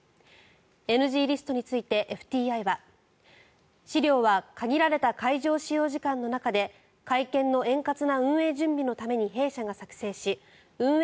ＮＧリストについてＦＴＩは資料は限られた会場使用時間の中で会見の円滑な運営準備のために弊社が作成し運営